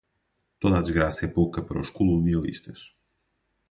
Toda desgraça é pouca para os colonialistas